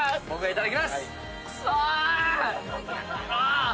いただきまーす！